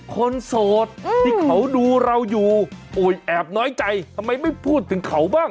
โสดที่เขาดูเราอยู่โอ้ยแอบน้อยใจทำไมไม่พูดถึงเขาบ้าง